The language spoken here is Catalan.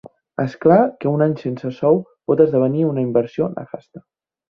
És clar que un any sense sou pot esdevenir una inversió nefasta.